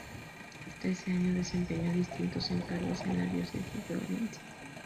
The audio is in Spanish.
Hasta ese año desempeñó distintos encargos en la Diócesis de Valencia.